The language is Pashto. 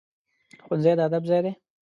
ښوونځی د ادب ځای دی